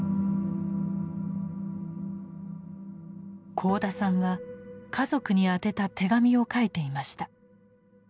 幸田さんは家族に宛てた手紙を書いていました。